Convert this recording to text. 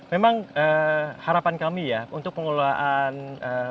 memang harapan kami ya untuk pengelolaan